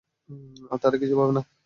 তারা কিছু পাবে না।